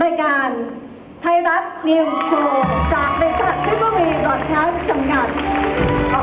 รายการไทยรัฐนิวส์โชว์จากบริษัทที่บ้าวมีดอร์ดแคสต์สำหรับ